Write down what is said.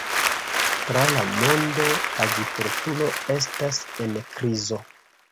Tra la mondo, agrikulturo estas en krizo.